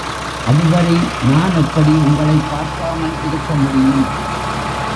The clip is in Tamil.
அது வரை நான் எப்படி உங்களைப் பார்க்காமல் இருக்க முடியும்?